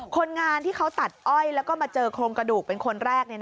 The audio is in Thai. คนงานที่เขาตัดอ้อยแล้วก็มาเจอโครงกระดูกเป็นคนแรก